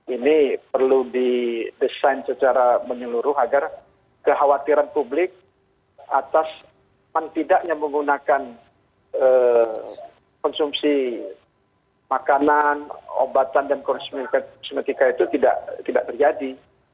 ini perlu didesain secara menyeluruh agar kekhawatiran publik atas paling tidaknya menggunakan konsumsi makanan obatan dan semetika itu tidak terjadi